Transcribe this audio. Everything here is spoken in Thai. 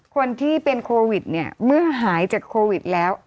คนที่เป็นโควิดเนี่ยเมื่อหายจากโควิดแล้ว